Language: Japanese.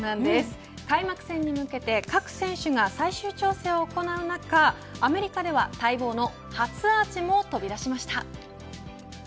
開幕戦に向けて各選手が最終調整を行う中アメリカでは、待望の初アーチも飛び出しました。